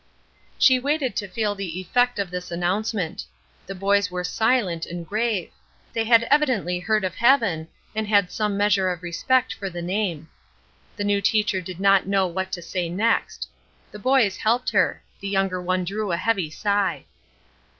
She waited to feel the effect of this announcement. The boys were silent and grave. They had evidently heard of heaven, and had some measure of respect for the name. The new teacher did not know what to say next. The boys helped her. The younger one drew a heavy sigh.